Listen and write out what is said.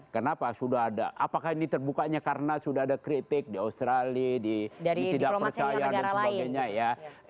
kenapa sudah ada apakah ini terbukanya karena sudah ada kritik di australia tidak percaya dan sebagainya ya